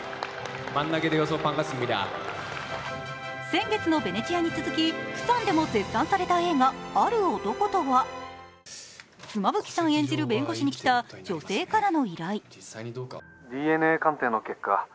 先月のヴェネツィアに続き、プサンでも絶賛された映画「ある男」とは妻夫木さん演じる弁護士に来た女性からの依頼。